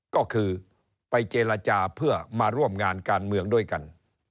ก็คือไปเจรจาเพื่อมาร่วมงานการเมืองด้วยกัน